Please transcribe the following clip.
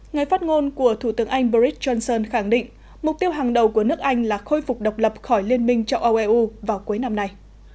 người phát ngôn của thủ tướng anh boris johnson khẳng định mục tiêu hàng đầu của nước anh là khôi phục độc lập khỏi liên minh châu âu eu vào cuối năm nay